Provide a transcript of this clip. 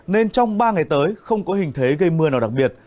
nên trong ba ngày tới không có hình thế gây mưa nào đặc biệt